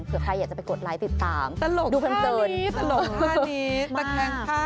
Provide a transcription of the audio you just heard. เผื่อใครอยากจะไปกดไลค์ติดตามดูเพิ่มเติร์นตลกท่านี้ตลกท่านี้